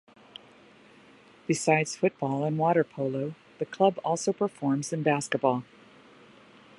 Besides football and water polo, the club also performs in basketball.